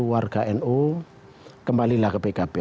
warga nu kembalilah ke pkb